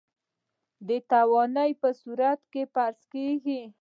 د توانايي په صورت کې فرض کېږي.